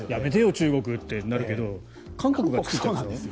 中国ってなるけど韓国が作ったんでしょ。